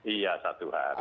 iya satu hari